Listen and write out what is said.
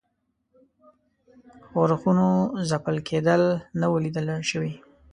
ښورښونو ځپل کېدل نه وه لیده شوي.